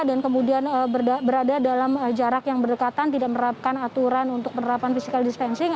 dan kemudian berada dalam jarak yang berdekatan tidak menerapkan aturan untuk penerapan physical dispensing